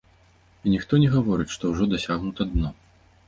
І ніхто не гаворыць, што ўжо дасягнута дно.